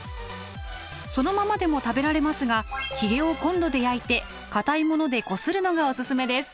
そのままでも食べられますがひげをコンロで焼いて固いものでこするのがおすすめです。